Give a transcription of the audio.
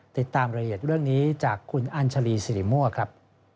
ติดตามรายละเอียดเรื่องนี้จากคุณอัญชาลีสิริมั่วครับ